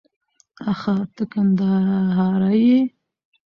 آښه ته کندهاری يې؟